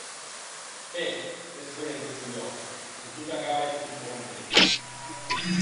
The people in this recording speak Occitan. Ben, responec Dolojov, en tot acabar eth sòn compde.